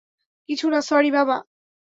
কিছু না, সরি, বাবা।